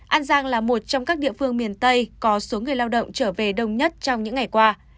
an giang là một trong các địa phương miền tây có số người lao động trở về đông nhất trong những ngày qua